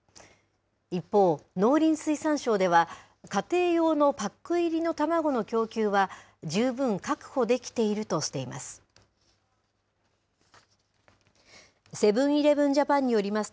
一方、農林水産省では、家庭用のパック入りの卵の供給は、十分確保できているとしています。